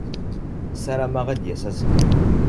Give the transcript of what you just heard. Ssarameɣ ad d-yas azekka.